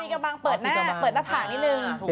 ตีกบางเปิดหน้าผ่านนิดหนึ่ง